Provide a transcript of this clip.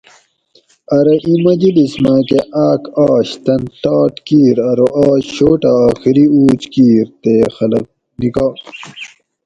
ارو اِیں مجلِس ماۤکہ آۤک آش تۤن ڷاٹ کِیر ارو آج شوٹہ آخری اُوج کِیر تے خلق نِکا